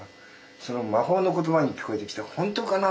それが魔法の言葉に聞こえてきて本当かな